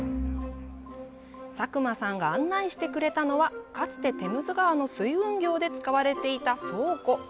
佐久間さんが案内してくれたのは、かつてテムズ川の水運業で使われていた倉庫。